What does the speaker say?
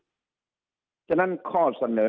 พักการเมืองก็ยิ่งเสียหายเข้าไปอีก